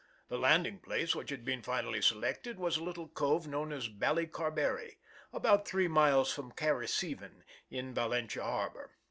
The landing place which had been finally selected was a little cove known as Ballycarberry, about three miles from Cahirciveen, in Valentia harbor (Fig.